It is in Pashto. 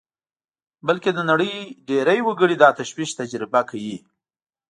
بلکې د نړۍ ډېری وګړي دا تشویش تجربه کوي